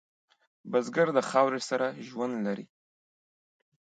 بزګر د خاورې سره ژوند لري